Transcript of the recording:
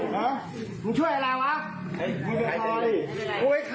มันถ่ายแต่ลูก